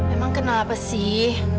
emang kenapa sih